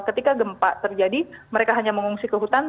ketika gempa terjadi mereka hanya mengungsi ke hutan